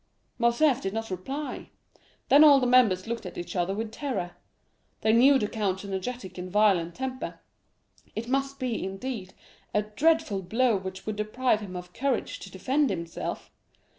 Morcerf did not reply. Then all the members looked at each other with terror. They knew the count's energetic and violent temper; it must be, indeed, a dreadful blow which would deprive him of courage to defend himself.